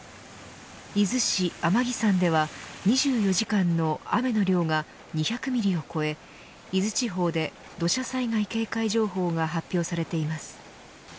伊豆市天城山では２４時間の雨の量が２００ミリを超え伊豆地方で土砂災害警戒情報が発表されています。